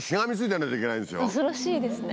恐ろしいですね。